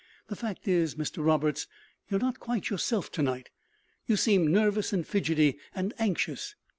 The fact is, Mr Roberts, you are not quite yourself to night. You seem nervous, and fidgety, and anxious.